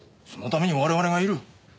そのために我々がいる。